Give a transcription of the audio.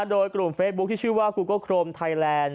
โดยกลุ่มเฟซบุ๊คที่ชื่อว่ากูโกโครมไทยแลนด์